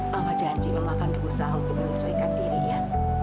mama janji memang akan berusaha untuk menyesuaikan diri ya